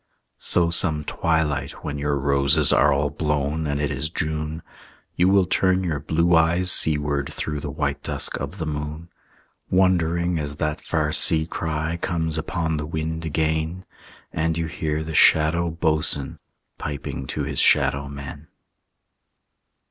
So some twilight, when your roses Are all blown and it is June, You will turn your blue eyes seaward Through the white dusk of the moon, Wondering, as that far sea cry Comes upon the wind again, And you hear the Shadow Boatswain Piping to his shadow men.